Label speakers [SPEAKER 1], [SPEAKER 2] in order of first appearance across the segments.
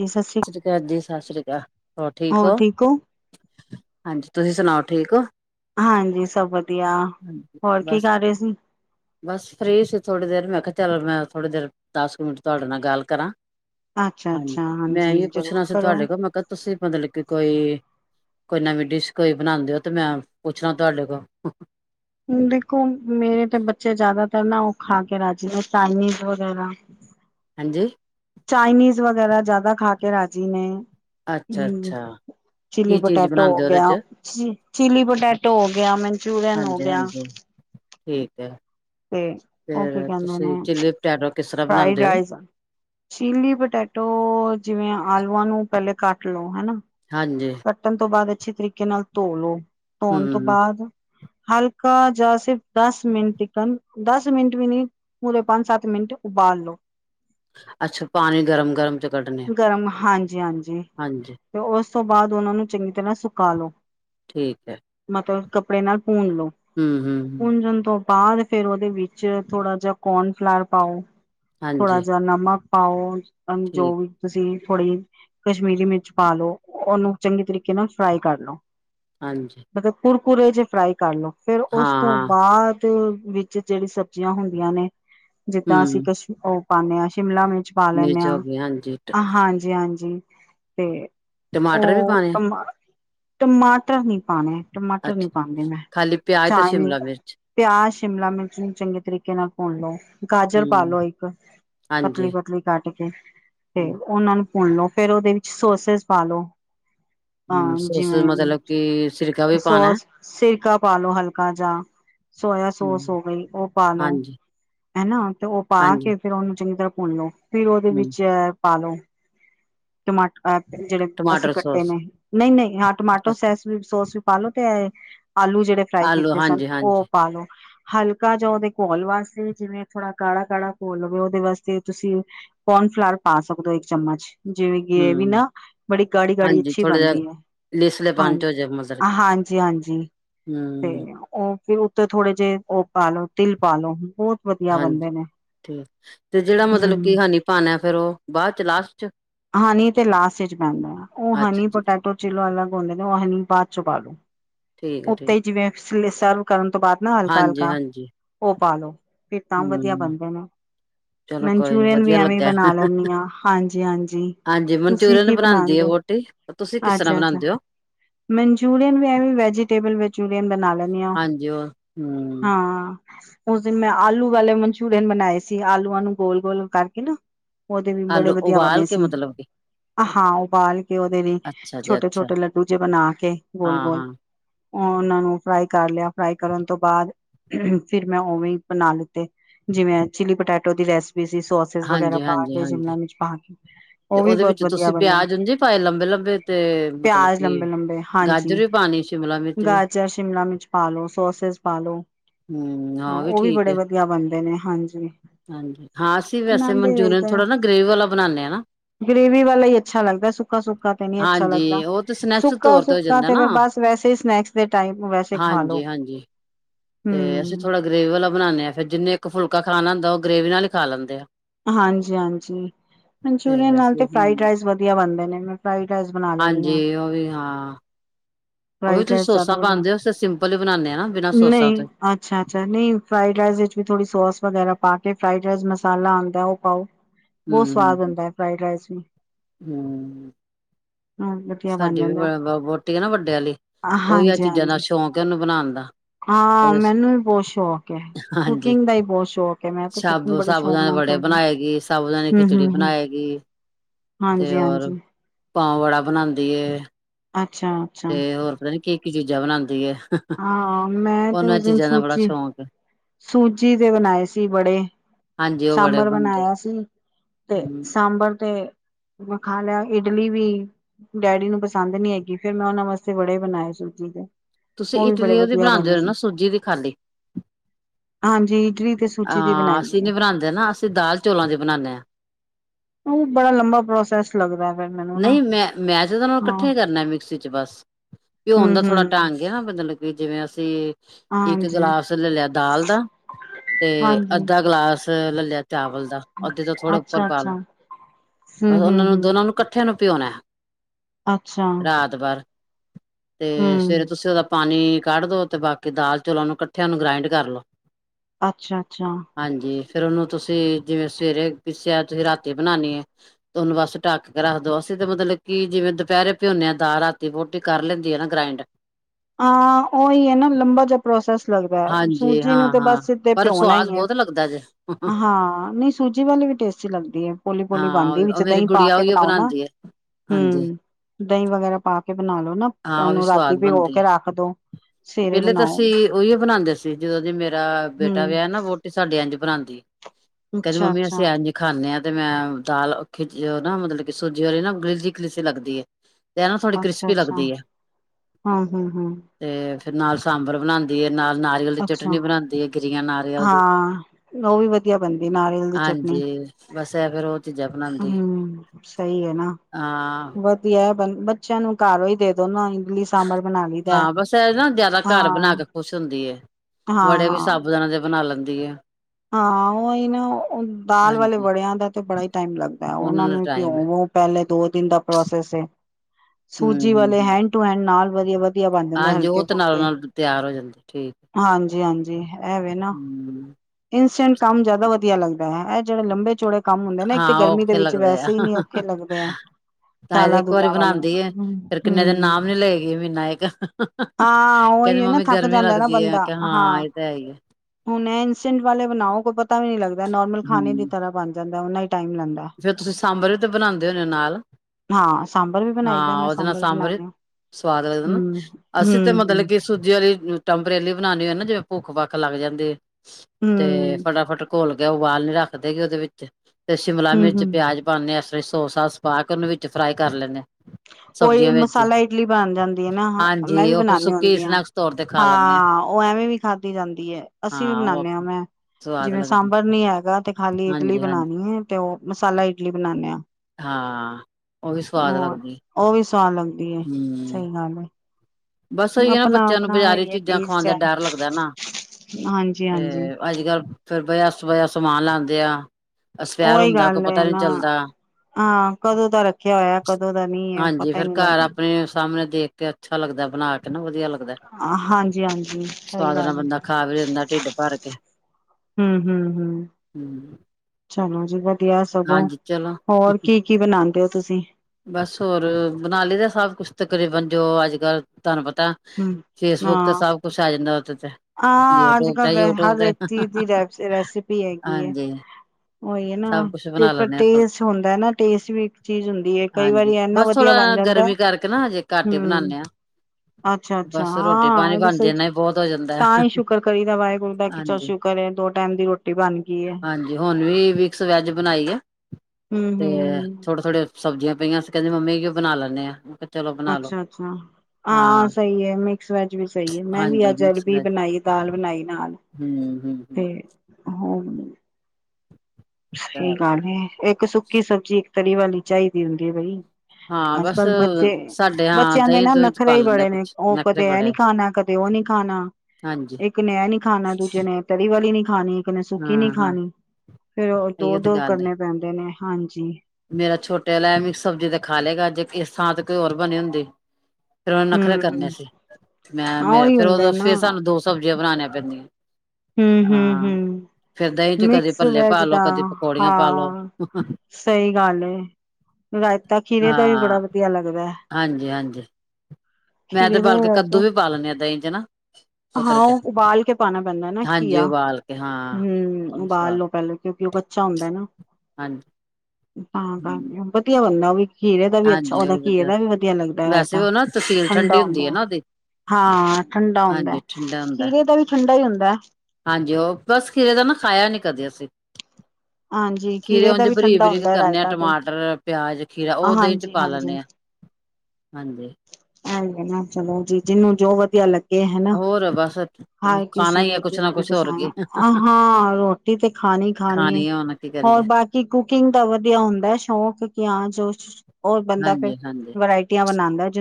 [SPEAKER 1] ਜੀ ਸਤਿ ਸ਼੍ਰੀ
[SPEAKER 2] ਸਸ ਰੀ ਕਾਲ ਜੀ, ਸਸ ਰੀ ਕਾਲ ਹੋਰ ਠੀਕ ਹੋ। ਹਾਂਜੀ ਤੁਸੀਂ ਸੁਣਾਓ ਠੀਕ ਹੋ।
[SPEAKER 1] ਹਾਂਜੀ ਸਭ ਵਧੀਆ,
[SPEAKER 2] ਹਾਂਜੀ
[SPEAKER 1] ਹੋਰ ਕੀ
[SPEAKER 2] ਬਸ
[SPEAKER 1] ਕਰ ਰਹੇ ਸੀ।
[SPEAKER 2] ਬਸ ਫ੍ਰੀ ਸੀ ਥੋੜ੍ਹੀ ਦੇਰ ਮੈਂ ਕਿਹਾ ਚਲ ਮੈਂ ਥੋੜ੍ਹੀ ਦੇਰ ਦਸ ਕ ਮਿੰਟ ਤੁਹਾਡੇ ਨਾਲ ਗੱਲ ਕਰਾਂ।
[SPEAKER 1] ਅੱਛਾ- ਅੱਛਾ, ਹਾਂਜੀ।
[SPEAKER 2] ਮੈਂ
[SPEAKER 1] ਜ਼ਰੂਰ
[SPEAKER 2] ਪੁੱਛਣਾ ਸੀ
[SPEAKER 1] ਕਰੋ
[SPEAKER 2] ਤੁਹਾਡੇ ਕੋਲ ਮੈਂ ਕਿਹਾ ਤੁਸੀਂ ਮਤਲਬ ਕਿ ਕੋਈ ਕੋਈ ਨਵੀਂ ਡਿਸ਼ ਕੋਈ ਬਣਾਉਂਦੇ ਹੋ ਤੇ ਮੈਂ ਪੁੱਛਾ ਤੁਹਾਡੇ ਕੋਲ
[SPEAKER 1] ਦੇਖੋ ਮੇਰੇ ਤੇ ਬੱਚੇ ਜਿਆਦਾਤਰ ਨਾ ੳ ਖਾ ਕੇ ਰਾਜੀਂ ਚਾਈਨੀਜ਼ ਵਗੈਰਾ।
[SPEAKER 2] ਹਾਂਜੀ
[SPEAKER 1] ਚਾਈਨੀਜ਼ ਵਗੈਰਾ ਜ਼ਿਆਦਾ ਖਾ ਕੇ ਰਾਜੀ ਨੇ।
[SPEAKER 2] ਅੱਛਾ
[SPEAKER 1] ਹਮ
[SPEAKER 2] ਅੱਛਾ ਕੀ
[SPEAKER 1] ਚੀਲੀ
[SPEAKER 2] ਚੀਜ਼
[SPEAKER 1] ਪਟੈਟੋ
[SPEAKER 2] ਬਣਾਉਂਦੇ
[SPEAKER 1] ਹੋ
[SPEAKER 2] ਉਹਦੇ
[SPEAKER 1] ਗਿਆ
[SPEAKER 2] ਚ
[SPEAKER 1] ਚੀਲੀ ਪੋਟੈਟੋ ਹੋ ਗਿਆ ਮਨਚੁਰੀਅਨ ਹੋ
[SPEAKER 2] ਹਾਂਜੀ
[SPEAKER 1] ਗਿਆ।
[SPEAKER 2] ਹਾਂਜੀ ਠੀਕ ਏ।
[SPEAKER 1] ਤੇ
[SPEAKER 2] ਫੇਰ ਤੁਸੀਂ ਚਿੱਲੀ ਪੋਟੈਟੋ
[SPEAKER 1] ਫਰਾਆਇਡ ਰਾਈਸ ਆ ਚੀਲੀ ਪਟੈਟੋ ਜਿਵੇਂ ਆਲੂਆਂ ਨੂੰ ਪਹਿਲੇ ਕੱਟ ਲੋਓ ਹਨਾ।
[SPEAKER 2] ਹਾਂਜੀ
[SPEAKER 1] ਕੱਟਣ ਤੋਂ ਬਾਅਦ ਅੱਛੇ ਤਰੀਕੇ ਨਾਲ ਧੋ ਲੋ। ਧੋਣ ਤੋਂ
[SPEAKER 2] ਹਮ
[SPEAKER 1] ਬਾਅਦ ਹਲਕਾ ਜਾਂ ਸਿਰਫ ਦਸ ਮਿੰਟ ਇੱਕ ਦਸ ਮਿੰਟ ਵੀ ਨਹੀਂ ਪੂਰੇ ਪੰਜ ਸੱਤ ਮਿੰਟ ਉਬਾਲ ਲੋ।
[SPEAKER 2] ਅੱਛਾ ਪਾਣੀ ਗਰਮ ਗਰਮ ਚ ਕੱਢਣੇ ਆ
[SPEAKER 1] ਗਰਮ ਹਾਂਜੀ ਹਾਂਜੀ ਤੇ
[SPEAKER 2] ਹਾਂਜੀ।
[SPEAKER 1] ਉਸ ਤੋਂ ਬਾਅਦ ਉਹਨਾਂ ਨੂੰ ਚੰਗੀ ਤਰ੍ਹਾਂ ਸੁਕਾ ਲੋੋ।
[SPEAKER 2] ਠੀਕ ਹੈ
[SPEAKER 1] ਕੱਪੜੇ ਨਾਲ ਪੁੰਝ ਲੋ
[SPEAKER 2] ਹਮ ਹਮ
[SPEAKER 1] ਪੂੰਝਣ ਤੋਂ ਬਾਅਦ ਫੇਿਰ ਉਹਦੇ ਵਿੱਚ ਥੋੜ੍ਹਾ ਜਿਹਾ ਕੋਰਨਫਲਾਰ ਪਾਓ। ਥੋੜਾ
[SPEAKER 2] ਹਾਂਜੀ
[SPEAKER 1] ਜਿਹਾ ਨਮਕ ਪਾਓ ਜੋ
[SPEAKER 2] ਠੀਕ
[SPEAKER 1] ਵੀ ਤੁਸੀਂ! [unintelligible] ਥੋੜ੍ਹੀ ਜਿਹੀ ਕਸ਼ਮੀਰੀ ਮਿਰਚ ਪਾ ਲੋੋ। ਉਹਨੂੰ ਚੰਗੇ ਤਰੀਕੇ ਨਾਲ ਫਰਾਈ ਕਰ ਲਓ।
[SPEAKER 2] ਹਾਂਜੀ
[SPEAKER 1] ਕੁਰਕੁਰੇ ਜਹੇ ਫਰਾਈ ਕਰ ਲੋ ਫਿਰ ਉਸ ਤੋਂ
[SPEAKER 2] ਹਾਂ-ਹਾਂ
[SPEAKER 1] ਬਾਅਦ ਵਿੱਚ ਜਿਹੜੀ ਸਬਜ਼ੀਆਂ ਹੁੰਦੀਆਂ ਨੇ। ਜਿੱਦਾਂ ਅਸੀਂ
[SPEAKER 2] ਹੂੰ
[SPEAKER 1] ਕ [unintelligible] ਸ਼ ਉਹ ਪਾਉਂਦੇ ਸ਼ਿਮਲਾ ਮਿਰਚ ਪਾ ਲੈਂਨੇ
[SPEAKER 2] ਮਿਰਚ ਹੋ ਗਈ ਹਾਂਜੀ ਟ
[SPEAKER 1] ਹਾਂ ਹਾਂਜੀ ਹਾਂਜੀ ਤੇ
[SPEAKER 2] ਟਮਾਟਰ ਵੀ
[SPEAKER 1] ਉਹ
[SPEAKER 2] ਪਾਣੇ ਆ।
[SPEAKER 1] ਟਮਾ ਟਮਾਟਰ ਨੀ ਪਾਣੇ ਟਮਾਟਰ ਨੀ
[SPEAKER 2] ਅੱਛਾ
[SPEAKER 1] ਪਾਉਂਦੀ ਮੈਂ
[SPEAKER 2] ਖਾਲੀ ਪਿਆਜ
[SPEAKER 1] ਚਾ
[SPEAKER 2] ਤੇ ਸ਼ਿਮਲਾ ਮਿਰਚ
[SPEAKER 1] ਪਿਆਜ ਸ਼ਿਮਲਾ ਮਿਰਚ ਨੂੰ ਚੰਗੇ ਤਰੀਕੇ ਨਾਲ ਘੋਲ ਲੋ ਗਾਜਰ
[SPEAKER 2] ਹੂੰ
[SPEAKER 1] ਪਾਲੋ ਇੱਕ
[SPEAKER 2] ਹਾਂਜੀ
[SPEAKER 1] ਪਤਲੀ ਪਤਲੀ ਕੱਟ ਕੇ ਤੇ
[SPEAKER 2] ਹੂੰ
[SPEAKER 1] ਉਹਨਾਂ ਨੂੰ ਭੂਣ ਲੋ ਫੇਰ ਉਹਦੇ ਵਿੱਚ ਸੋਸਿਸ ਪਾਲੋ
[SPEAKER 2] ਹੂੰ,
[SPEAKER 1] ਹਾਂ
[SPEAKER 2] ਸੋਸ ਮਤਲਬ ਕਿ ਸਿਰਕਾ
[SPEAKER 1] ਜਿਵੇਂ
[SPEAKER 2] ਵੀ ਪਾਣਾ
[SPEAKER 1] ਸੋਸ ਸਿਰਕਾ ਪਾ ਲੋ ਹਲਕਾ ਜਾ ਸੋਇਆ ਸੋਸ
[SPEAKER 2] ਹੂੰ
[SPEAKER 1] ਹੋ ਗਈ ਉਹ ਪਾ ਲੋ
[SPEAKER 2] ਹਾਂਜੀ
[SPEAKER 1] ਹਨਾ ਤੇ ਉਹ ਪਾ
[SPEAKER 2] ਹਾਂਜੀ
[SPEAKER 1] ਕੇ ਫੇਰ ਉਹਨੂੰ ਚੰਗੀ ਤਰ੍ਹਾਂ ਪੁੰਨ ਲਓ ਫਿਰ ਉਹਦੇ
[SPEAKER 2] ਹੂੰ
[SPEAKER 1] ਵਿੱਚ ਪਾਲੋ ਟਮਾਟੋ ਐਪ ਜਿਹੜੇ ਅਸੀਂ
[SPEAKER 2] ਟਮਾਟਰ
[SPEAKER 1] ਕੱਟੇ
[SPEAKER 2] ਸੋਸ
[SPEAKER 1] ਨੇ ਨਹੀਂ ਨਹੀਂ ਹਾਂ ਟਮਾਟਰੋ
[SPEAKER 2] ਅੱ
[SPEAKER 1] ਸੋਸ ਵੀ ਪਾਲੋ ਤੇ ਆਲੂ ਜਿਹੜੇ ਫਰਾਈ
[SPEAKER 2] ਆਲੂ
[SPEAKER 1] ਕੀਤੇ ਸਨ
[SPEAKER 2] ਹਾਂਜੀ-ਹਾਂਜੀ
[SPEAKER 1] ਉਹ ਪਾ ਲਓ ਹਲਕਾ ਜਾ ਉਹਦੇ ਘੋਲ ਵਾਸਤੇ ਜਿਵੇਂ ਥੋੜਾ ਕਾੜਾ ਕਾੜਾ ਘੋਲ ਹੋਵੇ ਉਹਦੇ ਵਾਸਤੇ ਤੁਸੀਂ ਕੋਰਨਫਲਾਵਰ ਪਾ ਸਕਦੇ ਹੋ ਇੱਕ ਚਮਚ ਜਿਵੇਂ ਕਿ ਵੀ
[SPEAKER 2] ਹੂੰ
[SPEAKER 1] ਨਾ ਬੜੀ ਗਾੜੀ ਗਾੜੀ
[SPEAKER 2] ਹਾਂਜੀ
[SPEAKER 1] ਅੱਛੀ
[SPEAKER 2] ਥੋੜਾ ਜਿਹਾ
[SPEAKER 1] ਬਣਦੀ ਹੈ
[SPEAKER 2] ਲੇਸਲੇ ਪਨ ਚ
[SPEAKER 1] ਹਾਂਜੀ
[SPEAKER 2] ਹੋ ਜਾ ਮਤਲਬ ਕਿ
[SPEAKER 1] ਹਾਂਜੀ ਹਾਂਜੀ ਤੇ
[SPEAKER 2] ਹੂੰ
[SPEAKER 1] ਉਹ ਫਿਰ ਥੋੜੇ ਜੇ ਉਹ ਪਾਲੋ ਤਿਲ ਪਾਲੋ ਉਹ
[SPEAKER 2] ਹਾਂਜੀ ਠੀਕ ਤੇ ਜਿਹੜਾ ਮਤਲਬ ਕਿ
[SPEAKER 1] ਹਮ
[SPEAKER 2] ਹਨੀ ਪਾਣਾ ਫਿਰ ਉਹ ਬਾਅਦ ਚ ਲਾਸਟ ਚ
[SPEAKER 1] ਹਨੀ ਤੇ ਲਾਸਟ ਚ ਪੈਂਦਾ ਆ ਉਹ
[SPEAKER 2] ਅੱਛਾ
[SPEAKER 1] ਹਨੀ
[SPEAKER 2] ਜੀ,
[SPEAKER 1] ਪੋਟੈਟੋ ਚਲੋ ਅਲੱਗ ਹੁੰਦੇ ਨੇ ਹਨੀ ਬਾਅਦ ਚੋ ਪਾਲੋ
[SPEAKER 2] ਠੀਕ ਆ
[SPEAKER 1] ਉੱਤੇ
[SPEAKER 2] ਠੀਕ
[SPEAKER 1] ਹੀ ਜਿਵੇਂ [unintelligible] ਸਰਵ ਕਰਨ ਬਾਅਦ ਨਾ ਹਲਕਾ ਹਲਕਾ
[SPEAKER 2] ਹਾਂਜੀ-ਹਾਂਜੀ
[SPEAKER 1] ਓ ਪਾਲੋ ਫਿਰ ਤਾਂ ਵਧੀਆ
[SPEAKER 2] ਹੂੰ
[SPEAKER 1] ਬਣਦੇ ਨੇ
[SPEAKER 2] ਚਲੋ ਕੋਈ ਨੀ
[SPEAKER 1] ਮਨਚੂਰੀਅਨ ਵੀ
[SPEAKER 2] ਵਧੀਆ
[SPEAKER 1] ਐਵੇਂ
[SPEAKER 2] ਲੱਗਿਆ
[SPEAKER 1] ਬਣਾ ਲੈਣੀ ਆ ਹਾਂਜੀ ਹਾਂਜੀ
[SPEAKER 2] ਹਾਂਜੀ
[SPEAKER 1] ਤੁਸੀਂ
[SPEAKER 2] ਮਨਚੂਰੀਅਨ
[SPEAKER 1] ਕੀ
[SPEAKER 2] ਬਣਾਉਂਦੀ ਹੈ
[SPEAKER 1] ਬਣਾਦੇ ਹੋ
[SPEAKER 2] ਵੋਟੀ ਤੁਸੀਂ ਕਿਸ ਤਰ੍ਹਾਂ
[SPEAKER 1] ਅੱਛਾ ਅੱਛਾ
[SPEAKER 2] ਬਣਾਉਂਦੇ ਹੋ
[SPEAKER 1] ਮਨਚੂਰੀਅਨ ਵੀ ਐਵੇਂ ਵੈਜੀਟੇਬਲ ਮਨਚੂਰੀਅਨ ਬਣਾ ਲੈਣੇ ਹੋ
[SPEAKER 2] ਹਾਂਜੀ ਉਹ ਹਮ
[SPEAKER 1] ਹਾਂ ਉਸ ਦਿਨ ਮੈਂ ਆਲੂ ਵਾਲੇ ਮਨਚੂਰੀਅਨ ਬਣਾਏ ਸੀ ਆਲੂਆਂ ਨੂੰ ਗੋਲ ਗੋਲ ਕਰਕੇ ਨਾ ਉਹਦੇ ਵੀ ਬੜੇ
[SPEAKER 2] ਆਲੂ
[SPEAKER 1] ਵਧੀਆ
[SPEAKER 2] ਉਬਾਲ
[SPEAKER 1] ਬਣੇ
[SPEAKER 2] ਕੇ
[SPEAKER 1] ਸੀ
[SPEAKER 2] ਮਤਲਬ ਕਿ
[SPEAKER 1] ਹਾਂ ਉਬਾਲ ਕੇ ਉਹਦੇ ਲਈ
[SPEAKER 2] ਅੱਛਾ ਜੀ
[SPEAKER 1] ਛੋਟੇ
[SPEAKER 2] ਅੱਛਾ
[SPEAKER 1] ਛੋਟੇ ਲੱਡੂ ਜੇ ਬਣਾ ਕੇ ਗੋਲ
[SPEAKER 2] ਹਾਂ
[SPEAKER 1] ਗੋਲ
[SPEAKER 2] ਹਾਂ
[SPEAKER 1] ਉਹ ਉਨ੍ਹਾਂ ਨੂੰ ਫਰਾਈ ਕਰ ਲਿਆ ਫਰਾਈ ਕਰਨ ਤੋਂ ਬਾਅਦ ਫਿਰ ਮੈਂ ਓਵੀ ਬਣਾ ਲੀਤੇ ਜਿਵੇਂ ਚਿਲੀ ਪਟੈਟੋ ਦੀ ਰੈਸਪੀ ਸੋਸਿਸ ਵਗੈਰਾ
[SPEAKER 2] ਹਾਂਜੀ
[SPEAKER 1] ਪਾ
[SPEAKER 2] ਹਾਂਜੀ
[SPEAKER 1] ਕੇ
[SPEAKER 2] ਹਾਂਜੀ
[SPEAKER 1] ਸਿਮਲਾਂ ਮਿਰਚ ਪਾ ਕੇ
[SPEAKER 2] ਤੇ
[SPEAKER 1] ਉਹ ਵੀ
[SPEAKER 2] ਉਹਦੇ
[SPEAKER 1] ਬਹੁਤ
[SPEAKER 2] ਵਿੱਚ
[SPEAKER 1] ਵਧੀਆ
[SPEAKER 2] ਤੁਸੀਂ
[SPEAKER 1] ਬਣੇ
[SPEAKER 2] ਪਿਆਜ ਉੰਝੇ ਪਾਏ ਲੰਬੇ ਲੰਬੇ ਤੇ ਮਤਲਬ
[SPEAKER 1] ਪਿਆਜ
[SPEAKER 2] ਕਿ
[SPEAKER 1] ਲੰਬੇ ਲੰਬੇ ਹਾਂਜੀ
[SPEAKER 2] ਗਾਜਰ ਵੀ ਪਾਣੀ ਸ਼ਿਮਲਾ ਮਿਰਚ ਵੀ
[SPEAKER 1] ਗਾਜਰ ਸ਼ਿਮਲਾ ਮਿਰਚ ਪਾ ਲੋ ਸੋਸਸ ਪਾਾਲੋ
[SPEAKER 2] ਹਮ ਹਾਂ
[SPEAKER 1] ਉਹ ਵੀ
[SPEAKER 2] ਠੀਕ
[SPEAKER 1] ਬੜੇ
[SPEAKER 2] ਹੈ
[SPEAKER 1] ਵਧੀਆ ਬਣ ਦੇ ਨੇ ਹਾਂਜੀ
[SPEAKER 2] ਹਾਂਜੀ, ਹਾਂ ਅਸੀਂ ਵੈਸੇ ਮਨਚੂਰੀਅਨ ਥੋੜਾ ਨਾ ਗ੍ਰੇਵੀ ਵਾਲਾ ਬਣਾ
[SPEAKER 1] ਗਰੇਵੀ ਵਾਲਾ ਹੀ ਅੱਛਾ ਲੱਗਦਾ ਸੁੱਕਾ -ਸੁੱਕ ਸੁੱਕਾ ਤੇ ਨਹੀਂ ਅੱਛਾ ਲੱਗਦਾ,
[SPEAKER 2] ਹਾਂਜੀ ਉਹ ਤੇ ਸਨੈਕਸ
[SPEAKER 1] ਸੁੱਕਾ-
[SPEAKER 2] ਤੌਰ ਹੋ
[SPEAKER 1] ਸੁੱਕਾ
[SPEAKER 2] ਜਾਂਦਾ
[SPEAKER 1] ਤੇ
[SPEAKER 2] ਨਾ
[SPEAKER 1] ਬਸ ਵੈਸੇ ਸਨੈਕਸ ਦੇ ਟਾਈਮ ਵੈਸੇ ਖਾ ਲਓ।
[SPEAKER 2] ਹਾਂਜੀ ਹਾਂਜੀ ਤੇ ਅਸੀਂ ਥੋੜਾ ਗੇ੍ਵੀ ਵਾਲਾ ਬਣਾਨਦੇ ਹਾਂ ਫਿਰ ਜਿੰਨੇ ਇੱਕ ਫੁਲਕਾ ਖਾਣਾ ਦਾ ਉਹ ਗ੍ਰੇਵੀ ਨਾਲ ਹੀ ਖਾ ਲੈਂਦੇ ਆ।
[SPEAKER 1] ਹਾਂਜੀ ਹਾਂਜੀ, ਮਨਚੂਰੀਅਨ ਨਾਲ
[SPEAKER 2] ਅਸੀਂ
[SPEAKER 1] ਤੇ
[SPEAKER 2] ਉਹ
[SPEAKER 1] ਫਰਾਈਡ
[SPEAKER 2] ਬਣਾਨੇ
[SPEAKER 1] ਰਾਈਸ ਵਧੀਆ ਬਣਦੇ ਨੇ ਮੈਂ ਫਰਾਈਡ ਰਾਈਸ ਬਣਾ ਦੇਣੀ
[SPEAKER 2] ਹਾਂਜੀ
[SPEAKER 1] ਆਂ।
[SPEAKER 2] ਉਹ ਵੀ ਹਾਂ ਉਹ ਵੀ
[SPEAKER 1] ਫਰਾਈਡ
[SPEAKER 2] ਤੁਸੀਂ
[SPEAKER 1] ਰਾਈਸ
[SPEAKER 2] ਸੋਸਾ
[SPEAKER 1] ਜੈਦਾ ਹੋਗੇਆ,
[SPEAKER 2] ਪਾਂਦੇ ਹੋ ਅਸੀਂ ਸਿੰਪਲ ਹੀ ਬਣਾਨੇ ਆ ਨਾ ਬਿਨਾਂ ਸੋਸਾ
[SPEAKER 1] ਨਹੀਂ
[SPEAKER 2] ਤੋਂ
[SPEAKER 1] ਅੱਛਾ ਅੱਛਾ ਨਹੀਂ ਫਰਾਈਡ ਰਾਈਸ ਵਿਚ ਵੀ ਥੋੜੀੋ ਸੋਸ ਵਗੈਰਾ ਪਾ ਕੇ ਫਰਾਈਡ ਰਾਈਸ ਮਸਾਲਾ ਆਂਦੈ, ਔ ਪਾਓ। ਬੌਤ ਸਵਾਦ
[SPEAKER 2] ਹੂੰ
[SPEAKER 1] ਬਣਦੈ ਫਰਾਈਡ ਰਾਈਸ ਵੀ।
[SPEAKER 2] ਹੂੰ।
[SPEAKER 1] ਹਾਂ ਵਧੀਆ ਬਣ
[SPEAKER 2] ਸਾਡੀ ਵੀ
[SPEAKER 1] ਜਾਂਦਾ
[SPEAKER 2] ਵ ਵੋਟੀ ਏ ਨਾ ਵੱਡੇ ਆਲੀ। ਉਹੀ ਆ
[SPEAKER 1] ਹਾਂਜੀ
[SPEAKER 2] ਚੀਜ਼ਾਂ ਦਾ
[SPEAKER 1] ਹਾਂਜੀ,
[SPEAKER 2] ਸ਼ੌਂਕ ਐ ਉਹਨੂੰ ਬਣਾਣ ਦਾ
[SPEAKER 1] ਹਾਂ
[SPEAKER 2] ਉਹਦੇ
[SPEAKER 1] ਮੈਨੂੰ ਵੀ ਬੌਤ ਸ਼ੌਕ ਹੈ
[SPEAKER 2] ਹਾਂਜੀ
[SPEAKER 1] ਕੁਕਿੰਗ ਦਾ ਈ ਬੌਤ ਸ਼ੌਕ ਹੈ ਮੈਂ ਤੇ ਕੁਕਿੰਗ
[SPEAKER 2] ਸਾਬੂ
[SPEAKER 1] ਬੜੇ
[SPEAKER 2] ਸਾਬੂ
[SPEAKER 1] ਸ਼ੌਕ
[SPEAKER 2] ਦਾਣੇ
[SPEAKER 1] ਨਾਲ
[SPEAKER 2] ਵੜੇ
[SPEAKER 1] ਕਰਦੀ
[SPEAKER 2] ਬਣਾਏ ਗੀ, ਸਾਬੂ ਦਾਣੀ
[SPEAKER 1] ਹਮ
[SPEAKER 2] ਖਿਚੜੀ
[SPEAKER 1] ਹਮ ਹਮ
[SPEAKER 2] ਬਣਾਏਗੀ ਤੇ
[SPEAKER 1] ਹਾਂਜੀ
[SPEAKER 2] ਹੋਰ
[SPEAKER 1] ਹਾਂਜੀ
[SPEAKER 2] ਪਾਔ ਵੜਾ ਬਣਾਂਦੀ ਏ।
[SPEAKER 1] ਅੱਛਾ ਅੱਛਾ।
[SPEAKER 2] ਤੇ ਹੋਰ ਪਤਾ ਨੀ ਕੀ ਕੀ ਚੀਜ਼ਾਂ ਬਣਾਂਦੀ ਏ।
[SPEAKER 1] ਹਾਂ, ਮੈਂ ਤੇ
[SPEAKER 2] ਉਹਨੂੰ ਇਹ
[SPEAKER 1] ਉਸ ਦਿਨ
[SPEAKER 2] ਚੀਜ਼ਾਂ ਦਾ ਬੜਾ
[SPEAKER 1] ਸੋਚੀ
[SPEAKER 2] ਸ਼ੌਂਕ ਐ
[SPEAKER 1] ਸੂਜੀ ਦੇ ਬਣਾਏ ਸੀ ਵੜੇ,
[SPEAKER 2] ਹਾਂਜੀ ਉਹ ਬੜੇ
[SPEAKER 1] ਸਾਂਬਰ
[SPEAKER 2] ਬਣਦੇ
[SPEAKER 1] ਬਣਾਇਆ ਸੀ ਤੇ
[SPEAKER 2] ਹੂੰ
[SPEAKER 1] ਸਾਂਬਰ ਤੇ ਅ ਮੈਂ ਖਾ ਲਿਆ ਇਡਲੀ ਵੀ ਡੈਡੀ ਨੂੰ ਪਸੰਦ ਨੀ ਹੈਗੀ ਫੇਰ ਮੈਂ ਔਨਾਂ ਵਾਸਤੇ ਵੜੇ ਬਣਾਏ ਸੂਜੀ ਦੇ।
[SPEAKER 2] ਤੁਸੀਂ
[SPEAKER 1] ਉਹ ਵੀ ਬੜੇ
[SPEAKER 2] ਇਟਲੀ ਔਦੀ
[SPEAKER 1] ਵਧੀਆ
[SPEAKER 2] ਬਣਾਂਦੇ
[SPEAKER 1] ਬਣੇ
[SPEAKER 2] ਏ
[SPEAKER 1] ਸੀ
[SPEAKER 2] ਨਾ ਸੂਜੀ ਦੀ ਖਾਲੀ।
[SPEAKER 1] ਹਾਂਜੀ ਇਡਲੀ ਤੇ ਸੂਜੀ ਦੀ
[SPEAKER 2] ਹਾਂ, ਅਸੀਂ
[SPEAKER 1] ਬਣਾਈ ਹੈ
[SPEAKER 2] ਨੀ ਬਣਾਂਦੇ ਨਾ ਅਸੀਂ ਦਾਲ ਚੌਲਾਂ ਦੀ ਬਣਾਂਦੇ ਆਂ।
[SPEAKER 1] ਔ ਵੀ ਬੜਾ ਲੰਬਾ ਪ੍ਰੋਸੈਸ ਲੱਗਦੈ ਫੇਰ ਮੈਨੂੰ ਨਾ,
[SPEAKER 2] ਨਹੀਂ ਮੈਂ ਮੈਂ ਤੇ ਨਾਲ
[SPEAKER 1] ਹਾ
[SPEAKER 2] ਇਕੱਠੇ ਕਰਨਾ ਮਿਕਸੀ ਚ ਬਸ
[SPEAKER 1] ਹੂੰ
[SPEAKER 2] ਭਿਉਣ ਦਾ ਥੋੜਾ
[SPEAKER 1] ਹੂੰ।
[SPEAKER 2] ਢੰਗ ਹੈ ਨਾ ਬਤਾ ਲੱਗੇ ਜਿਵੇਂ ਅਸੀਂ ਇੱਕ
[SPEAKER 1] ਹਾਂਜੀ
[SPEAKER 2] ਗਲਾਸ ਲੱਲ ਲਿਆ ਦਾਲ ਦਾ ਤੇ
[SPEAKER 1] ਹਾਂਜੀ
[SPEAKER 2] ਅੱਧਾ ਗਲਾਸ ਤ ਲੱਲ ਲਿਆ। ਚਾਵਲ ਦਾ ਅਦੇੇ ਤੋਂ ਥੋੜਾ ਉੱਪਰ
[SPEAKER 1] ਅੱਛਾ ਅੱਛਾ
[SPEAKER 2] ਪਾਲੋ ਬਸ
[SPEAKER 1] ਹਮ
[SPEAKER 2] ਔਨਾਂ
[SPEAKER 1] ਹਮ
[SPEAKER 2] ਨੂੰ
[SPEAKER 1] ਹਮ
[SPEAKER 2] ਦੋਨਾਂ ਨੂੰ ਕੱਠਿਆਂ ਨੂੰ ਪਿਔਣੈ।
[SPEAKER 1] ਅੱਛਾ। ਹੂੰ।
[SPEAKER 2] ਇੱਦਾ ਪਾਣੀ ਕੱਢ ਦੋ ਤੇ ਬਾਕੀ ਦਾਲ ਚੋਲਾਂ ਨੂੰ ਕੱਠਿਆਂ ਨੂੰ ਗ੍ਰਾਇੰਡ ਕਰ ਲੋ।
[SPEAKER 1] ਅੱਛਾ ਅੱਛਾ
[SPEAKER 2] ਫੇਰ ਉਹਨੂੰ ਤੁਸੀਂ ਜਿਵੇਂ ਸਵੇਰੇ ਪੀਸਿਆ ਤੁਸੀਂ ਰਾਤੀ ਬਣਾਉਣੀ ਹੈ ਤੇ ਉਹਨੂੰ ਬਸ ਢੱਕ ਕੇ ਰੱਖ ਦਿੋ ਅਸੀਂ ਤਾਂ ਮਤਲਬ ਕਿ ਜਿਵੇਂ ਦੁਪਹਿਰੇ ਪਿਉਂਦੇ ਹਾਂ ਦਾਲ ਰਾਤੀ ਵੋਟੀ ਕਰ ਲੈਂਦੀ ਆ ਨਾ ਗ੍ਰਾਇੰਡ
[SPEAKER 1] ਹਾਂ ਉਹੀ ਹੈ ਨਾ ਲੰਬਾ ਜਿਹਾ ਪ੍ਰੋਸੈਸ ਲੱਗਦਾ
[SPEAKER 2] ਹਾਂਜੀ
[SPEAKER 1] ਸੂਜੀ ਨੂੰ
[SPEAKER 2] ਹਾਂ
[SPEAKER 1] ਤੇ
[SPEAKER 2] ਹਾਂ
[SPEAKER 1] ਬਸ ਏਧ
[SPEAKER 2] ਪਰ
[SPEAKER 1] ਭਿਉਣਾ
[SPEAKER 2] ਸਵਾਦ
[SPEAKER 1] ਹੀ ਹੈ
[SPEAKER 2] ਬਹੁਤ ਲੱਗਦਾ ਜੇ
[SPEAKER 1] ਹਾਂ ਨਹੀਂ ਸੂਜੀ ਵਾਲੀ ਵੀ ਟੇਸਟੀ ਲੱਗਦੀ ਹੈ ਪੋਲੀ ਪੋਲੀ
[SPEAKER 2] ਹਾਂ
[SPEAKER 1] ਬਣਦੀ
[SPEAKER 2] ਉਹ
[SPEAKER 1] ਵਿੱਚ
[SPEAKER 2] ਮੇਰੀ
[SPEAKER 1] ਦਹੀਂ ਪਾ
[SPEAKER 2] ਗੁੜੀਆ
[SPEAKER 1] ਕੇ
[SPEAKER 2] ਉਹੀ
[SPEAKER 1] ਬਣਾਓ ਨਾ
[SPEAKER 2] ਬਣਾਉਂਦੀ ਹੈ ਹਾਂਜੀ
[SPEAKER 1] ਹੂੰ ਦਹੀਂ ਵਗੈਰਾ ਪਾ ਕੇ ਬਣਾ ਲੋ ਨਾ
[SPEAKER 2] ਹਾਂ ਉਹ ਵੀ
[SPEAKER 1] ਉਹਨੂੰ ਰਾਤੀ
[SPEAKER 2] ਸਵਾਦ
[SPEAKER 1] ਭਿਓ
[SPEAKER 2] ਬਣਦੀ ਪਹਿਲੇ ਤਾਂ ਅਸੀਂ ਉਹੀ ਬਣਾਉਂਦੇ ਸੀ ਜਦੋਂ ਦੀ ਮੇਰਾ ਬੇਟਾ
[SPEAKER 1] ਹਮ
[SPEAKER 2] ਵਿਆਹ ਨਾ ਵੋਟੀ ਸਾਡੇ ਇੰਜ ਬਣਾਉਂਦੀ। ਕਹਿੰਦੇ
[SPEAKER 1] ਅੱਛਾ
[SPEAKER 2] ਮੰਮੀ ਅਸੀਂ
[SPEAKER 1] ਅੱਛਾ
[SPEAKER 2] ਐੰਝ ਖਾਂਦੇ ਹਾਂ। ਤੇ ਮੈਂ ਦਾਲ ਖਿੱਚ ਨਾ ਮਤਲਬ ਕਿ ਸੂਜੀ ਵਾਲੀ ਨਾ ਗਿਲਜੀ ਖਲਸੀ ਲੱਗਦੀ ਹੈ। ਤੇ ਨਾ ਥੋੜ੍ਹੀ ਕ੍ਰਿਸਪੀ ਲੱਗਦੀ ਹੈ।
[SPEAKER 1] ਹੂੰ ਹੂੰ
[SPEAKER 2] ਤੇ ਫਿਰ ਨਾਲ ਸਾਂਬਰ ਬਣਾਉਂਦੀ ਹੈ। ਨਾਲ ਨਾਰੀਅਲ ਦੀ
[SPEAKER 1] ਅੱਛਾ
[SPEAKER 2] ਚਟਨੀ ਬਣਾਉਂਦੀ ਹੈ ਗਿਰੀਆਂ ਨਾਰੀਅਲ ਦੀ
[SPEAKER 1] ਹਾਂ ਉਹ ਵੀ ਵਧੀਆ ਬਣਦੀ ਨਾਰੀਅਲ ਦੀ
[SPEAKER 2] ਹਾਂਜੀ
[SPEAKER 1] ਚਟਨੀ
[SPEAKER 2] ਬਸ ਇਹ ਫੇਰ ਉਹ ਚੀਜ਼ਾਂ ਬਣਾਉਂਦੀ
[SPEAKER 1] ਹੂੰ ਸਹੀ ਹੈ ਨਾ
[SPEAKER 2] ਹਾਂ
[SPEAKER 1] ਵਧੀਆ ਬਣ ਬੱਚਿਆਂ ਨੂੰ ਘਰ ਹੀ ਦੇ ਦੋ ਨਾ ਸਾਂਬਰ ਬਣਾ ਲਈ ਦਾ
[SPEAKER 2] ਹਾਂ ਬਸ ਇਹ ਨਾ ਜਿਆਦਾ ਘਰ ਬਣਾ
[SPEAKER 1] ਹਾਂ
[SPEAKER 2] ਕੇ ਖੁਸ਼ ਹੁੰਦੀ
[SPEAKER 1] ਹਾਂ
[SPEAKER 2] ਵੜੇ ਵੀ
[SPEAKER 1] ਹਾਂ
[SPEAKER 2] ਸਾਬੂਦਾਣੇ ਦੇ ਬਣਾ ਲੈਂਦੀ ਐ ਦੀ ਐ।
[SPEAKER 1] ਹਾਂ ਉਹ ਹੀ ਨਾ ਦਾਲ ਵਾਲੇ
[SPEAKER 2] ਹਾਂਜੀ
[SPEAKER 1] ਵੜਿਆਂ ਦਾ ਤੇ ਬੜਾ ਹੀ ਟਾਈਮ ਲੱਗਦਾ ਉਹਨਾਂ ਨੂੰ ਵੀ ਭਿਓ ਉਹ ਪਹਿਲੇ ਦੋ ਦਿਨ ਦਾ ਪ੍ਰੋਸੈਸ
[SPEAKER 2] ਹਮ
[SPEAKER 1] ਸੂਜੀ
[SPEAKER 2] ਹਮ
[SPEAKER 1] ਵਾਲੇ
[SPEAKER 2] ਹਮ
[SPEAKER 1] ਹੈਂਡ ਟੂ ਹੈਂਡ ਨਾਲ ਵਧੀਆ ਵਧੀਆ ਬਣ ਦਿੰਦੇ
[SPEAKER 2] ਹਾਂਜੀ ਉਹ
[SPEAKER 1] ਹਲਕੇ
[SPEAKER 2] ਤੇ ਨਾਲੋਂ
[SPEAKER 1] ਫੁਲਕੇ,
[SPEAKER 2] ਨਾਲ ਤਿਆਰ ਹੋ ਜਾਂਦੀ ਠੀਕ
[SPEAKER 1] ਹਾਂਜੀ ਹਾਂਜੀ ਇਹਵੇ ਨਾ
[SPEAKER 2] ਹਮ
[SPEAKER 1] ਇਟੈਂਟ ਕੰਮ ਜ਼ਿਆਦਾ ਵਧੀਆ ਲੱਗਦਾ ਹੈ ਇਹ ਜਿਹੜੇ ਲੰਬੇ ਚੋੜੇ
[SPEAKER 2] ਹਾਂ ਉਹ ਔਖੇ ਲੱਗਦੇ ਆ
[SPEAKER 1] ਔਖੇ ਲੱਗਦੇ ਹੈ
[SPEAKER 2] ਤਾਂ ਇਹ ਤੇ
[SPEAKER 1] ਦਾਲਾਂ
[SPEAKER 2] ਇੱਕ ਵਾਰੀ
[SPEAKER 1] ਦੂਲਾਂ ਵਾਲੇ
[SPEAKER 2] ਬਣਾਉਂਦੀ ਆ ਫੇਰ ਕਿੰਨੇ ਦਿਨ ਨਾਮ
[SPEAKER 1] ਹੂੰ
[SPEAKER 2] ਨੀ ਲਏਗੀ ਈ ਮਹੀਨਾ ਇੱਕ
[SPEAKER 1] ਹਾਂ
[SPEAKER 2] ਕਹਿੰਦੀ
[SPEAKER 1] ਉਹੀ ਹੈ ਨਾ
[SPEAKER 2] ਮੰਮੀ
[SPEAKER 1] ਥੱਕ
[SPEAKER 2] ਗਰਮੀ
[SPEAKER 1] ਜਾਂਦਾ ਨਾ
[SPEAKER 2] ਲੱਗਦੀ ਆ
[SPEAKER 1] ਬੰਦਾ
[SPEAKER 2] ਹਾਂ ਇਹ ਤਾਂ ਹੈਈ ਆ।
[SPEAKER 1] ਹੁਣ ਇਹ ਇੰਸਟੈਂਟ ਵਾਲੇ ਬਣਾਓ ਕੋਈ ਪਤਾ ਵੀ ਨੀ ਲੱਗਦਾ। ਨੋਰਮਲ ਖਾਣੇ ਦੀ ਤਰ੍ਹਾਂ ਬਣ ਜਾਂਦੀ [inaudible]
[SPEAKER 2] ਫੇਰ ਤੁਸੀਂ ਸਾਂਬਰ ਵੀ ਤੇ ਬਣਾਉਦੇ ਹੋਦੇ ਹੋ ਨਾਲ
[SPEAKER 1] ਹਾਂ ਸਾਂਬਰ ਵੀ ਬਣਾਈ ਦਾ
[SPEAKER 2] ਹਾਂ
[SPEAKER 1] ਮੈਂ
[SPEAKER 2] ਉਹਦੇ ਨਾਲ ਸਾਂਬਰ ਵੀ
[SPEAKER 1] ਬਣਾਣੀ ਆ
[SPEAKER 2] ਸਵਾਦ ਲੱਗਦਾ ਨਾ
[SPEAKER 1] ਹੂੰ
[SPEAKER 2] ਅਸੀਂ
[SPEAKER 1] ਹੂੰ
[SPEAKER 2] ਤਾਂ ਮਤਲਬ
[SPEAKER 1] ਹੂੰ
[SPEAKER 2] ਕਿ ਸੂਜੀ ਵਾਲੀ ਟੰਪਰੀ ਵਾਲੀ ਬਣਾਉਣੀ ਹੋ ਨਾ ਜਿਵੇ ਭੁੱਖ ਭਖ ਲੱਗ ਜਾਂਦੇ ਤੇ
[SPEAKER 1] ਹੂੰ
[SPEAKER 2] ਫਟਾਫਟ ਘੋਲ ਕੇ ਉਬਾਲ ਨੀ ਰੱਖਦੇ ਗ ਉਹਦੇ ਵਿੱਚ ਤੇ ਸ਼ਿਮਲਾ
[SPEAKER 1] ਹੂੰ
[SPEAKER 2] ਮਿਰਚ
[SPEAKER 1] ਹੂੰ।
[SPEAKER 2] ਪਿਆਜ ਪਾਣੇ ਆ। ਸੌ ਸਾਸ ਪਾ ਕੇ ਉਹਨੂੰ ਵਿੱਚ ਫਰਾਈ ਕਰ ਲੈਂਦੇ ਹਾਂ।
[SPEAKER 1] ਕੋਈ
[SPEAKER 2] ਸਬਜ਼ੀਆਂ ਵਿੱਚ ਹੀ।
[SPEAKER 1] ਮਸਾਲਾ ਇਡਲੀ ਬਣ ਜਾਂਦੀ ਹੈ ਨਾ ਮੈਂ
[SPEAKER 2] ਹਾਂਜੀ
[SPEAKER 1] ਵੀ
[SPEAKER 2] ਉਹ ਫਿਰ
[SPEAKER 1] ਬਣਾਉਂਦੀ
[SPEAKER 2] ਸੁੱਕੀ
[SPEAKER 1] ਹੁੰਦੀ ਹਾਂ
[SPEAKER 2] ਸਨੈਕਸ ਤੌਰ ਤੇ ਖਾ ਲੈਂਦੇ ਆ
[SPEAKER 1] ਹਾਂ ਉਹ ਐਵੇਂ ਵੀ ਖਾਧੀ ਜਾਂਦੀ ਹੈ ਅਸੀਂ ਵੀ
[SPEAKER 2] ਹਾਂ ਉਹ
[SPEAKER 1] ਬਣਾਦੇ ਹ ਮੈਂ
[SPEAKER 2] ਸਵਾਦ
[SPEAKER 1] ਜਿਵੇਂ
[SPEAKER 2] ਲੱਗਦੀ
[SPEAKER 1] ਸਾਂਬਰ ਨੀ ਹੈਗਾ ਤੇ ਖਾਲੀ ਇਡਲੀ
[SPEAKER 2] ਹਾਂਜੀ ਹਾਂਜੀ
[SPEAKER 1] ਬਣਾਉਣੀ ਹੈ। ਤੇ ਉਹ ਮਸਾਲਾ ਇਡਲੀ ਬਣਾਉਣੇ [inaudible]
[SPEAKER 2] ਹਾਂ ਉਹ ਵੀ ਸਵਾਦ ਲੱਗਦੀ।
[SPEAKER 1] ਉਹ ਵੀ ਸਵਾਦ ਲ ਐਵੀ ਸਹੀ
[SPEAKER 2] ਹਮ
[SPEAKER 1] ਗੱਲ ਏ
[SPEAKER 2] ਬਸ ਉਹੀ ਹੈ ਨਾ ਬੱਚਿਆਂ ਨੂੰ ਬਜ਼ਾਰੀ
[SPEAKER 1] ਇਹ
[SPEAKER 2] ਚੀਜ਼ਾਂ ਖਵਾਉਣ
[SPEAKER 1] ਟੇਸਟ
[SPEAKER 2] ਦਾ
[SPEAKER 1] ਹੈ
[SPEAKER 2] ਡਰ ਲੱਗਦਾ ਨਾ,
[SPEAKER 1] ਹਾਂਜੀ
[SPEAKER 2] ਤੇ
[SPEAKER 1] ਹਾਂਜੀ
[SPEAKER 2] ਅੱਜ ਕੱਲ੍ਹ ਫੇਰ ਬਆ ਸਵਾ ਬਿਆ ਸਮਾਨ ਲਾਉਦੇ ਆ। ਅਸਵੈਰ
[SPEAKER 1] ਉਓਹੀ
[SPEAKER 2] ਹੁੰਦਾ
[SPEAKER 1] ਗੱਲ
[SPEAKER 2] ਕੋਈ ਪਤਾ ਨੀ
[SPEAKER 1] ਨਾ
[SPEAKER 2] ਚੱਲਦਾ
[SPEAKER 1] ਹਾਂ ਕਦੋਂ ਦਾ ਰੱਖਿਆ ਹੋਇਆ ਕਦੋਂ ਦਾ ਨਹੀਂ ਹੈ,
[SPEAKER 2] ਹਾਂਜੀ
[SPEAKER 1] ਪਤਾ ਹੀ
[SPEAKER 2] ਫੇਰ
[SPEAKER 1] ਨਹੀਂ
[SPEAKER 2] ਘਰ
[SPEAKER 1] ਲੱਗਦਾ।
[SPEAKER 2] ਆਪਣੇ ਸਾਹਮਣੇ ਦੇਖ ਕੇ ਅੱਛਾ ਲੱਗਦਾ। ਬਣਾ ਕੇ ਨਾ ਵਧੀਆ ਲੱਗਦਾ
[SPEAKER 1] ਹਾਂਜੀ, ਹਾਂਜੀ ਸਹੀ
[SPEAKER 2] ਸਵਾਦ ਨਾਲ
[SPEAKER 1] ਗੱਲ ਹੈ,
[SPEAKER 2] ਬੰਦਾ ਖਾ ਵੀ ਲੈਂਦਾ ਢਿੱਡ ਭਰ ਕੇ
[SPEAKER 1] ਹਮ, ਹਮ, ਹਮ
[SPEAKER 2] ਹਮ
[SPEAKER 1] ਚਲੋ ਜੀ ਵਧੀਆ ਸਗੋਂ
[SPEAKER 2] ਹਾਂਜੀ ਚਲੋ
[SPEAKER 1] ਹੋਰ ਕੀ, ਕੀ ਬਣਾਉਂਦੇ ਹੋ ਤੁਸੀਂ
[SPEAKER 2] ਬਸ ਹੋਰ ਬਣਾ ਲਈ ਦਾ ਸਭ ਕੁਛ ਤਕਰੀਬਨ ਜੋ ਅੱਜ ਕੱਲ੍ਹ ਤੁਹਾਨੂੰ ਪਤਾ
[SPEAKER 1] ਹੂੰ
[SPEAKER 2] ਫੇਸਬੁੱਕ ਤੇ
[SPEAKER 1] ਹਾਂ
[SPEAKER 2] ਸਭ ਕੁਛ ਆ ਜਾਂਦਾ। ਉਥੇ ਤੇ
[SPEAKER 1] ਹਾਂ ਅੱਜ
[SPEAKER 2] ਯੂਟਿਊਬ ਤੇ
[SPEAKER 1] ਕੱਲ
[SPEAKER 2] ਯੂਟਿਊਬ
[SPEAKER 1] ਹਰ
[SPEAKER 2] ਤੇ
[SPEAKER 1] ਇੱਕ ਚੀਜ਼ ਦੀ ਰ ਰੈਸਪੀ ਹੈਗੀ ਹੈ,
[SPEAKER 2] ਹਾਂਜੀ
[SPEAKER 1] ਉਹੀ ਹੈ ਨਾ
[SPEAKER 2] ਸਭ ਕੁਛ
[SPEAKER 1] ਤੇ
[SPEAKER 2] ਬਣਾ
[SPEAKER 1] ਪਰ
[SPEAKER 2] ਲੈਂਦੇ ਆ ਥੋੜਾ
[SPEAKER 1] ਟੈਸਟ ਹੁੰਦਾ ਨਾ ਟੇਸਟ ਵੀ ਇੱਕ ਚੀਜ਼ ਹੁੰਦੀ ਹੈ, ਕਈ
[SPEAKER 2] ਹਾਂਜੀ
[SPEAKER 1] ਵਾਰੀ ਇਨਾ
[SPEAKER 2] ਬਸ
[SPEAKER 1] ਵਧੀਆ ਬਣ
[SPEAKER 2] ਥੋੜਾ
[SPEAKER 1] ਜਾਂਦਾ
[SPEAKER 2] ਗਰਮੀ ਕਰਕੇ ਨਾ ਹਜੇ ਘੱਟ ਹੀ
[SPEAKER 1] ਹਮ
[SPEAKER 2] ਬਣਾਉਦੇ ਆ
[SPEAKER 1] ਅੱਛਾ, ਅੱਛਾ
[SPEAKER 2] ਬਸ ਰੋਟੀ ਪਾਣੀ
[SPEAKER 1] ਹਾਂ ਇਹਾ
[SPEAKER 2] ਬਣ ਜੇ
[SPEAKER 1] ਸਹੀ
[SPEAKER 2] ਇਨਾ ਹੀ ਬਹੁਤ ਹੋ ਜਾਂਦਾ ਹਾਂਜੀ,
[SPEAKER 1] ਸ਼ੁਕਰ ਏ ਦੋ ਟਾਈਮ ਦੀ ਰੋਟੀ ਬਣ ਗਈ ਏ।
[SPEAKER 2] ਹਾਂਜੀ ਹੁਣ ਵੀ ਮਿਕਸ ਵੈਜ ਬਣਾਈ ਆ ਤੇ
[SPEAKER 1] ਹੂੰ-ਹੂੰ
[SPEAKER 2] ਥੋੜੇ, ਥੋੜੇ ਸਬਜ਼ੀਆਂ ਪਈਆਂ ਅਸੀਂ ਕਹਿੰਦੇ ਮੰਮੀ ਉਹ ਬਣਾ ਲੈਂਦੇ ਆ ਚਲੋ ਬਣਾ ਲੋ
[SPEAKER 1] ਅੱਛਾ, ਅੱਛਾ ਹਾਂ ਸਹੀ ਹੈ, ਮਿਕਸ ਵੈਜ ਵੀ ਸਹੀ ਹੈ ਮੈਂ ਵੀ
[SPEAKER 2] ਹਾਂਜੀ
[SPEAKER 1] ਆਜ
[SPEAKER 2] ਮਿਕਸ
[SPEAKER 1] ਅਰਬੀ ਬਣਾਈ ਦਾਲ ਬਣਾਈ ਨਾਲ।
[SPEAKER 2] ਇ ਹਮ
[SPEAKER 1] ਤੇ
[SPEAKER 2] ਹਮ
[SPEAKER 1] ਹੋਰ ਸਹੀ ਗੱਲ ਹੈ, ਇੱਕ ਸੁੱਕੀ ਸਬਜ਼ੀ ਤਰੀ ਵਾਲੀ ਚਾਹੀਦੀ ਹੁੰਦੀ ਹੈ ਬਈ
[SPEAKER 2] ਹਾਂ
[SPEAKER 1] ਅੱਜ
[SPEAKER 2] ਬਸ
[SPEAKER 1] ਕੱਲ ਬੱਚੇ
[SPEAKER 2] ਸਾਡੇ ਹਾਂ
[SPEAKER 1] ਬੱਚਿਆਂ ਦੇ
[SPEAKER 2] ਦਹੀਂ
[SPEAKER 1] ਨਾ
[SPEAKER 2] ਦੁਹੀਂ ਚ ਪਾ
[SPEAKER 1] ਨਖਰੇ ਹੀ
[SPEAKER 2] ਲੈਂਦੇ
[SPEAKER 1] ਬੜੇ ਨੇ
[SPEAKER 2] ਕੁਛ
[SPEAKER 1] ਉਹ
[SPEAKER 2] ਨਖਰੇ
[SPEAKER 1] ਕਦੇ ਇਹ
[SPEAKER 2] ਬੜੇ
[SPEAKER 1] ਨੀ ਖਾਣਾ ਕਦੇ ਉਹ ਨੀ ਖਾਣਾ
[SPEAKER 2] ਹਾਂਜੀ
[SPEAKER 1] ਇੱਕ ਨੇ ਇਹ ਨੀ ਖਾਣਾ ਦੂਜੇ ਨੇ ਤਰੀ ਵਾਲੀ ਨੀ ਖਾਣੇ ਏਨੇ ਸੁੱਕੀ ਨਹੀ
[SPEAKER 2] ਹਾਂ ਹਾਂ
[SPEAKER 1] ਖਾਣੀ ਫੇਰ ਉਹ ਦੋ,
[SPEAKER 2] ਇਹੀਓ ਤੇ
[SPEAKER 1] ਦੋ
[SPEAKER 2] ਗੱਲ ਹੈ
[SPEAKER 1] ਕਰਨੇ ਪੈਂਦੇ ਨੇ ਹਾਂਜੀ।
[SPEAKER 2] ਮੇਰਾ ਛੋਟੇ ਵਾਲਾ ਏ ਮੀਕਸ ਸਬਜ਼ੀ ਤੇ ਖਾ ਲਗਾ ਅ ਜੇ ਕਿਸ ਥਹਾ ਕੋ ਹੋਰ ਬਣੇ ਹੁੰਦੀ। ਫੇਰ ਉਹਹਨੇ ਨਖਰੇ
[SPEAKER 1] ਹਮ
[SPEAKER 2] ਕਰਨੇ
[SPEAKER 1] ਹਮ
[SPEAKER 2] ਸੀ, ਮੈਂ
[SPEAKER 1] ਹਾਂ
[SPEAKER 2] ਮੇ
[SPEAKER 1] ਉਹੀ
[SPEAKER 2] ਫਿਰ
[SPEAKER 1] ਹੁੰਦਾ
[SPEAKER 2] ਉਹ
[SPEAKER 1] ਨਾ
[SPEAKER 2] ਫੇਿਰ ਸਾਨੂੰ ਦੋ ਸਬਜ਼ੀਆਂ ਬਣਾਉਣੀਆਂ ਪੈਂਦੀਆਂ।
[SPEAKER 1] ਹਮ ਹਮ
[SPEAKER 2] ਹਾਂ
[SPEAKER 1] ਹਮ
[SPEAKER 2] ਫਿਰ ਦਹੀਂ ਚ ਕਦੇ
[SPEAKER 1] ਮਿਕਸ
[SPEAKER 2] ਭੱਲੇ ਪਾ
[SPEAKER 1] ਵੈਜ
[SPEAKER 2] ਲਓ
[SPEAKER 1] ਦਾ
[SPEAKER 2] ਕਦੇ ਪਕੌੜੀਆਂ ਪਾ ਲਓ।
[SPEAKER 1] ਹਾਂ ਸਹੀ ਗੱਲ ਏ ਰਾਇਤਾ ਖੀਰੇ ਦਾ ਵੀ
[SPEAKER 2] ਹਾਂ
[SPEAKER 1] ਬੜਾ ਵਧੀਆ ਲੱਗਦਾ ਏ
[SPEAKER 2] ਹਾਂਜੀ, ਹਾਂਜੀ ਮੈਂ ਤੇ
[SPEAKER 1] ਖੀਰੇ ਦਾ
[SPEAKER 2] ਬਾਲ ਕੇ ਕੱਦੂ
[SPEAKER 1] ਰਾਇਤਾ
[SPEAKER 2] ਵੀ ਪਾਲ ਲੈਂੇ ਹ ਦਾਂ ਹੀ [inaudible]
[SPEAKER 1] ਹਾਂ ਉਹ ਉਬਾਲ ਕੇ ਪਉਣਾ ਪੈਂਦਾ ਹੈ ਨਾ
[SPEAKER 2] ਹਾਂਜੀ
[SPEAKER 1] ਕੀਆ
[SPEAKER 2] ਉਬਾਲ ਕੇ ਹਾਂ
[SPEAKER 1] ਹਮ
[SPEAKER 2] ਉਹ ਵੀ
[SPEAKER 1] ਉਬਾਲ
[SPEAKER 2] ਸਵਾਦ
[SPEAKER 1] ਲੋ ਪਹਿਲਾਂ ਕਿਉਂਕਿ ਉਹ [inaudible]
[SPEAKER 2] ਹਾਂਜੀ
[SPEAKER 1] ਹਾਂ ਗ
[SPEAKER 2] ਹੂੰ,
[SPEAKER 1] ਵਧੀਆ ਬੰਦਾ ਖੀਰੇ ਦਾ ਵੀ ਅੱਛਾ ਉਹਦਾ ਘੀਰੇ ਦਾ ਵੀ ਵਧੀਆ ਲੱਗਦਾਏ
[SPEAKER 2] ਵੈਸੇ
[SPEAKER 1] ਤਾਂ
[SPEAKER 2] ਉਹ ਨਾ ਤਸੀਲ
[SPEAKER 1] ਠੰਡਾ
[SPEAKER 2] ਠੰਡੀ ਹੁੰਦੀ
[SPEAKER 1] ਹੁੰਦਾ
[SPEAKER 2] ਹੈ ਨਾ
[SPEAKER 1] ਹਾਂ ਠੰਡਾ ਹੁੰਦਾ
[SPEAKER 2] ਚਠਿੰਡ ਹੁੰਦਾ
[SPEAKER 1] ਖੀਰੇ ਦਾ ਵੀ ਠੰਡਾ ਹੀ ਹੁੰਦਾ
[SPEAKER 2] ਹਾਂਜੀ ਉਹ ਬਸ ਖੀਰੇ ਦਾ ਨਾ ਖਾਇਆ ਨੀ ਕਦੇ ਅਸੀਂ
[SPEAKER 1] ਹਾਂਜੀ
[SPEAKER 2] ਖੀਰੇ
[SPEAKER 1] ਦਾ
[SPEAKER 2] ਉਝ
[SPEAKER 1] ਵੀ
[SPEAKER 2] ਬਰੀਕ
[SPEAKER 1] ਠੰਡਾ
[SPEAKER 2] ਬਰੀਕ
[SPEAKER 1] ਹੁੰਦਾ ਹੈ
[SPEAKER 2] ਕਰਨੇ ਆ
[SPEAKER 1] ਰਾਇਤਾ ਤੇ
[SPEAKER 2] ਟਮਾਟਰ ਪਿਆਜ ਖੀਰਾ ਉਹ ਦਹੀਂ ਚ
[SPEAKER 1] ਹਾਂਜੀ
[SPEAKER 2] ਪਾ
[SPEAKER 1] ਹਾਂਜੀ
[SPEAKER 2] ਲੈਂਦੇ ਹਾਂ ਹਾਂਜੀ
[SPEAKER 1] ਹਾਂ ਨਾ ਚਲੋ ਜੀ ਜਿਹਨੂੰ ਜੋ ਵਧੀਆ ਲੱਗੇ ਹਨਾ
[SPEAKER 2] ਹੋਰ ਬਸ
[SPEAKER 1] ਹਰ
[SPEAKER 2] ਖਾਣਾ
[SPEAKER 1] ਕਿਸੇ
[SPEAKER 2] ਹੀ ਹੈ
[SPEAKER 1] ਦੇ
[SPEAKER 2] ਕੁਛ ਨਾ ਕੁਛ
[SPEAKER 1] ਕਿਸ
[SPEAKER 2] ਹੋਰ ਕੀ
[SPEAKER 1] ਹਾਂ ਰੋਟੀ ਤੇ ਖਾਣੀ ਖਾਣੀ ਹੈ
[SPEAKER 2] ਆ ਹੁਣ ਕੀ
[SPEAKER 1] ਹੋਰ
[SPEAKER 2] ਕਰੀਏ
[SPEAKER 1] ਬਾਕੀ ਕੁਕਿੰਗ ਦਾ ਵਧੀਆ ਹੁੰਦਾ ਸ਼ੌਕ ਕਿ ਹਾਂ ਜੋ ਹੋਰ ਬੰਦਾ ਫਿਰ
[SPEAKER 2] ਹਾਂਜੀ ਹਾਂਜੀ
[SPEAKER 1] ਵਰਾਇਟੀਆਂ ਬਣਾਉਂਦਾ [inaudible]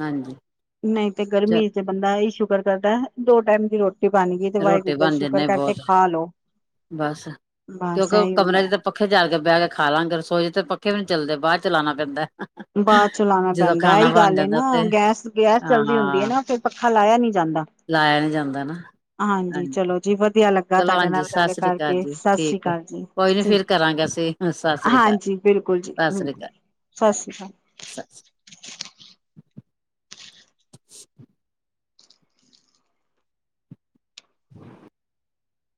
[SPEAKER 2] ਹਾਂਜੀ
[SPEAKER 1] ਨਹੀਂ ਤੇ ਗਰਮੀ
[SPEAKER 2] ਚ
[SPEAKER 1] ਤੇ ਬੰਦਾ ਆਈ ਸ਼ੱਕ ਕਰਦਾ ਦੋ ਟਾਈਮ ਦੀ ਰੋਟੀ ਬਣ ਗਈ ਤੇ
[SPEAKER 2] ਰੋਟੀ
[SPEAKER 1] ਵਾਹਿਗੁਰੂ ਦਾ
[SPEAKER 2] ਬਣ
[SPEAKER 1] ਸ਼ੁਕਰ
[SPEAKER 2] ਜਾਂੇ
[SPEAKER 1] ਕਰਕੇ
[SPEAKER 2] ਬਹੁਤ
[SPEAKER 1] ਖਾ ਲਓ
[SPEAKER 2] ਬਸ
[SPEAKER 1] ਬਸ
[SPEAKER 2] ਕਿਉਂਕਿ
[SPEAKER 1] ਇਹੀ
[SPEAKER 2] ਕਮਰ
[SPEAKER 1] ਹੁੰਦਾ
[SPEAKER 2] ਚ ਤਾਂ ਪੱਖੇ ਜਾਲ ਕੇ ਬਹਿ ਕੇ ਖਾ ਲਾਂਗੇ ਰਸੋਏ ਤੇ ਪੱਖੇ ਵੀ ਨੀ ਚੱਲਦੇ ਬਾਹਰ ਚਲਾਉਣਾ ਪੈਂਦਾ
[SPEAKER 1] ਬਾਅਦ ਚਲਾਾਉਣਾ
[SPEAKER 2] ਜਦੋਂ
[SPEAKER 1] ਪੈਂਦਾ
[SPEAKER 2] ਖਾਣਾ
[SPEAKER 1] ਇਹੀ
[SPEAKER 2] ਬਣ
[SPEAKER 1] ਗੱਲ
[SPEAKER 2] ਜਾਂਦਾ
[SPEAKER 1] ਨਾ
[SPEAKER 2] ਤੇ
[SPEAKER 1] ਗੈਸ ਗੈਸ ਚੱਲਦੀ ਹੁੰਦੀ ਹੈ
[SPEAKER 2] ਹਾਂ
[SPEAKER 1] ਨਾ ਫਿਰ ਪ ਖ ਲਾਇਆ ਨੀ ਜਾਂਦਾ
[SPEAKER 2] ਲਾਇਆ ਵੀ [inaudible]
[SPEAKER 1] ਹਾਂਜੀ ਚਲੋ ਜੀ ਵਧੀਆ ਲੱਗਾ
[SPEAKER 2] ਚਲੋ
[SPEAKER 1] ਤੁਹਾਡੇ
[SPEAKER 2] ਹਾਂਜੀ
[SPEAKER 1] ਨਾਲ
[SPEAKER 2] ਸਤਿ
[SPEAKER 1] ਗੱਲ
[SPEAKER 2] ਸ੍ਰੀ ਅਕਾਲ
[SPEAKER 1] ਕਰਕੇ
[SPEAKER 2] ਜੀ
[SPEAKER 1] ਸਤਿ ਸ੍ਰੀ
[SPEAKER 2] ਠੀਕ ਹੈ।
[SPEAKER 1] ਅਕਾਲ ਜੀ
[SPEAKER 2] ਕੋਈ ਨੀ
[SPEAKER 1] ੀ
[SPEAKER 2] ਫਿਰ ਕਰਾਂਗੇ ਅਸੀਂ ਸਤਿ ਸ੍ਰੀ ਅਕਾਲ
[SPEAKER 1] ਹਾਂਜੀ ਬਿਲਕੁਲ ਜੀ
[SPEAKER 2] ਸਤਿ ਸ੍ਰੀ
[SPEAKER 1] ਬਿਲਕੁਲ
[SPEAKER 2] ਅਕਾਲ।
[SPEAKER 1] ਸਤਿ ਸ੍ਰੀ
[SPEAKER 2] ਸਤਿ
[SPEAKER 1] ਅਕਾਲ
[SPEAKER 2] [inaudible]